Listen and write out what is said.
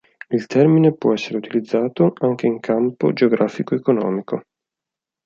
Il termine può essere utilizzato, anche in campo geografico-economico.